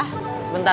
oh tuhan ya